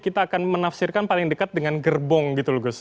kita akan menafsirkan paling dekat dengan gerbong gitu loh gus